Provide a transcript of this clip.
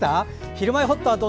「ひるまえほっと」